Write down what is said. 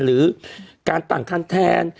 หรือการต่างคันแทน